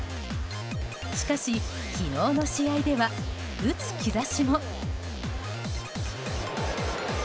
しかし、昨日の試合では打つ兆しも。